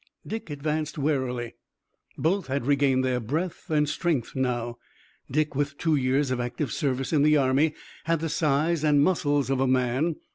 Dick advanced warily. Both had regained their breath and strength now. Dick with two years of active service in the army had the size and muscles of a man.